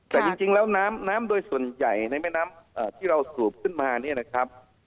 แต่จริงแล้วน้ำโดยส่วนใหญ่ในแม่น้ำที่เราสูบขึ้นมาเนี่ยนะครับ